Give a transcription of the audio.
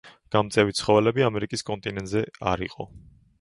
გამწევი ცხოველები ამერიკის კონტინენტზე არ იყო.